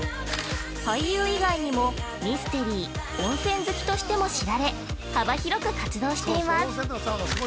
俳優以外にもミステリー、温泉好きとしても知られ、幅広く活躍しています。